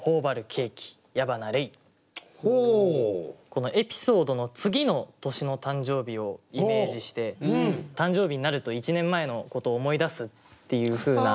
このエピソードの次の年の誕生日をイメージして誕生日になると１年前のことを思い出すっていうふうな。